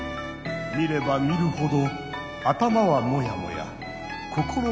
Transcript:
見れば見るほど頭はモヤモヤ心もモヤモヤ。